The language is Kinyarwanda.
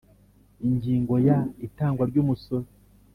Ingingo Ya Itangwa Ry Umusoro